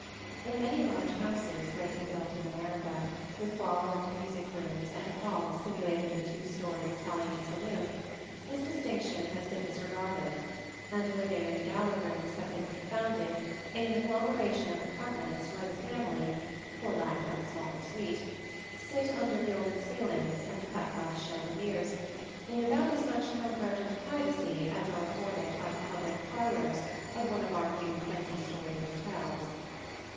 In many large houses lately built in America, with ball and music rooms and a hall simulating the two storied Italian saloon, this distinction has been disregarded, and living and gala rooms have been confounded in an agglomeration of apartments where the family, for lack of a smaller suite, sit under gilded ceilings and cut glass chandeliers, in about as much comfort and privacy as are afforded by the public "parlors" of one of our new twenty story hotels.